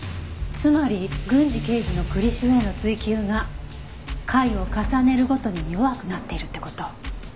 つまり郡司刑事の栗城への追及が回を重ねるごとに弱くなっているって事。